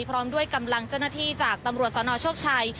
พร้อมด้วยกำลังเจ้าหน้าที่จากตำรวจสนโชคชัย